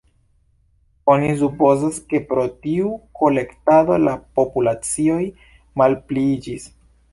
Oni supozas, ke pro tiu kolektado la populacioj malpliiĝis.